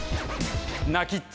泣きっ面。